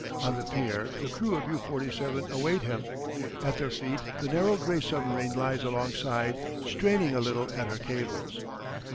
On the pier the crew of U 47 await him. At their feet the narrow grey submarine lies alongside, straining a little at her cables.